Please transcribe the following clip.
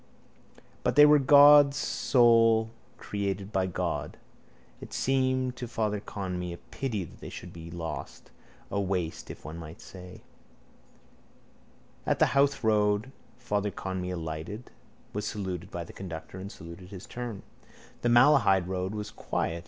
But they were God's souls, created by God. It seemed to Father Conmee a pity that they should all be lost, a waste, if one might say. At the Howth road stop Father Conmee alighted, was saluted by the conductor and saluted in his turn. The Malahide road was quiet.